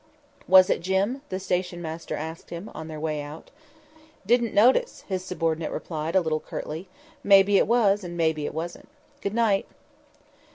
"Was it Jim?" the station master asked him, on their way out. "Didn't notice," his subordinate replied, a little curtly. "Maybe it was and maybe it wasn't. Good night!"